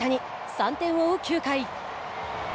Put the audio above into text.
３点を追う９回。